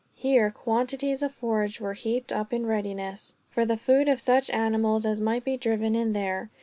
Here quantities of forage were heaped up in readiness, for the food of such animals as might be driven in there.